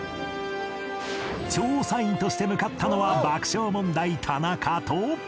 調査員として向かったのは爆笑問題田中と